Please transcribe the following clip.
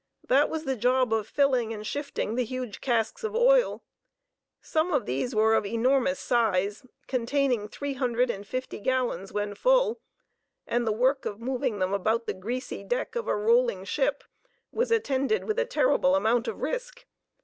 That was the job of filling and shifting the huge casks of oil. Some of these were of enormous size, containing three hundred and fifty gallons when full, and the work of moving them about the greasy deck of a rolling ship was attended with a terrible amount of risk.